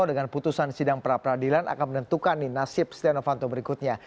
dengan putusan sidang pra peradilan akan menentukan nih nasib setia novanto berikutnya